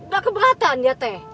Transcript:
gak keberatan ya teh